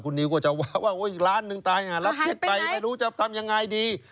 นิวก็จะว่าอีกล้านหนึ่งตายรับเช็คไปไม่รู้จะทำยังไงดี